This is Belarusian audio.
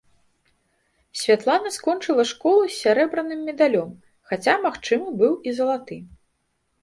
Святлана скончыла школу з сярэбраным медалём, хаця магчымы быў і залаты.